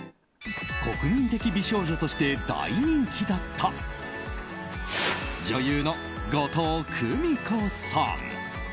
国民的美少女として大人気だった女優の後藤久美子さん。